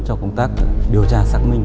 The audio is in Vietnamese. cho công tác điều tra xác minh